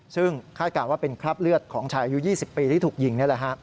ซึ่งคลาดการณ์ว่าเป็นครับเลือดของชายอายุ๒๐ปีที่ถูกยิง